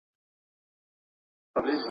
چي د ځوانیو هدیرې وژاړم.